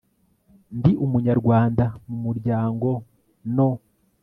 ndi umunyarwanda mu muryango no